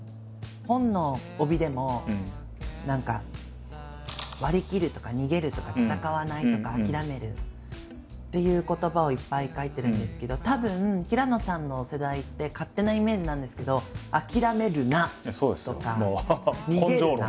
本の帯でも何か「割り切る」とか「逃げる」とか「戦わない」とか「諦める」っていう言葉をいっぱい書いてるんですけどたぶん平野さんの世代って勝手なイメージなんですけど「諦めるな」とか「逃げるな」。